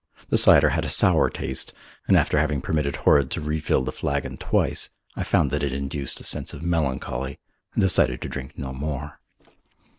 The cider had a sour taste, and after having permitted Horrod to refill the flagon twice I found that it induced a sense of melancholy and decided to drink no more.